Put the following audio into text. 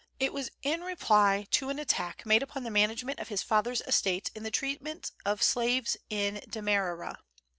It was in reply to an attack made upon the management of his father's estates in the treatment of slaves in Demerara.